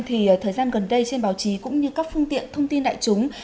thì thời gian gần đây trên báo chí cũng như các phương tiện thông tin đại chúng